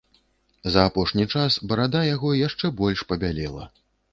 За апошні час барада яго яшчэ больш пабялела.